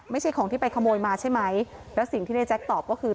ไม่ใช่ของที่ไปขโมยมาใช่ไหมแล้วสิ่งที่ในแจ๊คตอบก็คือ